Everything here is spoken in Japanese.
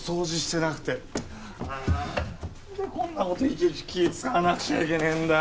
なんでこんな事いちいち気ぃ使わなくちゃいけねえんだよ。